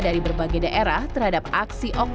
dari berbagai daerah terhadap aksi oknum